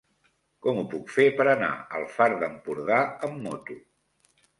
Com ho puc fer per anar al Far d'Empordà amb moto?